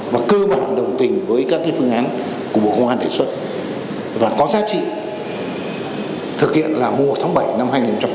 và cơ bản đồng tình với các phương án của bộ công an đề xuất và có giá trị thực hiện là mùa tháng bảy năm hai nghìn hai mươi